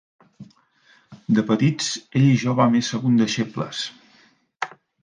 De petits, ell i jo vam ésser condeixebles.